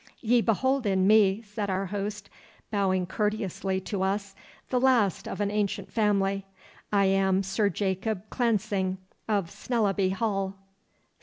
'Ye behold in me,' said our host, bowing courteously to us, 'the last of an ancient family. I am Sir Jacob Clancing of Snellaby Hall.